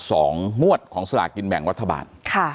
สองมวดของศาสตร์กินแบ่งวัฒนบาล